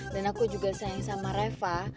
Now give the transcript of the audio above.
dan aku juga sayang sama reva